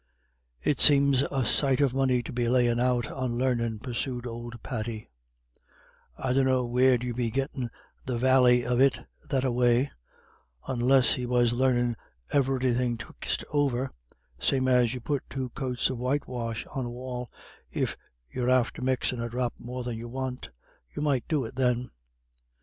"It seems a sight of money to be layin' out on larnin'," pursued old Paddy; "I dunno where you'd be gettin' the vally of it that a way, onless he was larnin' everythin' twyste over, same as you put two coats of whitewash on a wall if you're after mixin' a drop more than you want. You might do it then."